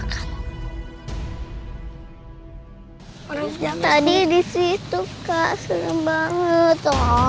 tadi disitu kak seram banget